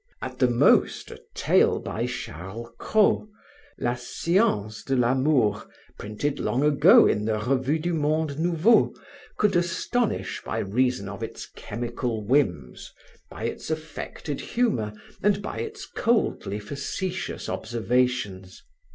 At the most, a tale by Charles Cros, La science de l'amour, printed long ago in the Revue du Monde Nouveau, could astonish by reason of its chemical whims, by its affected humor and by its coldly facetious observations.